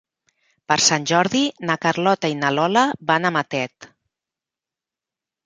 Per Sant Jordi na Carlota i na Lola van a Matet.